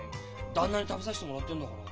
旦那に食べさせてもらってんだから。